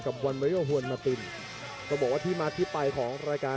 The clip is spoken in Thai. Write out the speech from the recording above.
กับวัลเมริโอฮวัลมาตินก็บอกว่าที่มาที่ปลายของรายการ